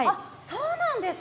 そうなんです。